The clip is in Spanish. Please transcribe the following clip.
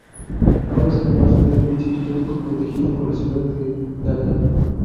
Ahora es además un edificio histórico protegido por la ciudad de Dalian.